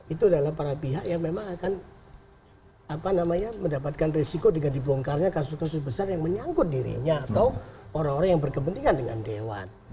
itu adalah para pihak yang memang akan mendapatkan risiko dengan dibongkarnya kasus kasus besar yang menyangkut dirinya atau orang orang yang berkepentingan dengan dewan